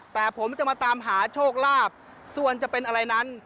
แต่ผมจะมาตามหาโชคลาภส่วนจะเป็นอะไรนั้น